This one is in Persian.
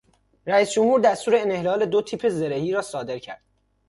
رییس جمهور دستور انحلال دو تیپ زرهی را صادر کرد.